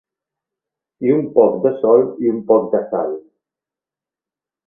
I un poc de sol i un poc de sal.